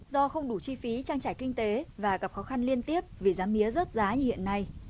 do không đủ chi phí trang trải kinh tế và gặp khó khăn liên tiếp vì giá mía rớt giá như hiện nay